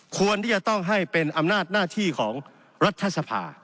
ควรที่จะต้องให้เป็นอำนาจหน้าที่ของรัฐสภา